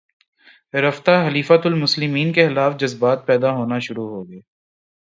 رفتہ خلیفتہ المسلمین کے خلاف جذبات پیدا ہونے شروع ہوگئے